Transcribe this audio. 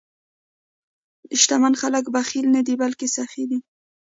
شتمن خلک بخیل نه وي، بلکې سخي وي.